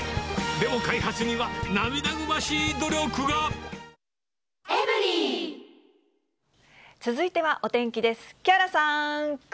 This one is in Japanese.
でも開発には涙ぐましい努力続いてはお天気です。